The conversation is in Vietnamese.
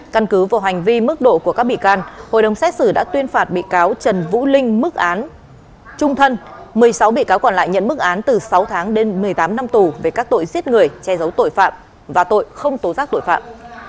căn cứ vào hành vi mức độ của các bị can hội đồng xét xử đã tuyên phạt bị cáo trần vũ linh mức án trung thân một mươi sáu bị cáo còn lại nhận mức án từ sáu tháng đến một mươi tám năm tù về các tội giết người che giấu tội phạm và tội không tố giác tội phạm